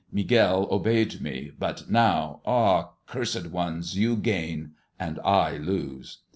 Miguel obeyed me; but now! nowl cursed ones I you gain, and I lose."